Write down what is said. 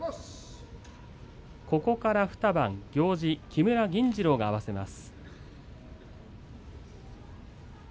ここから２番木村銀治郎が合わせます。